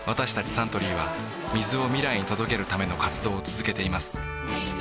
サントリーは水を未来に届けるための活動を続けています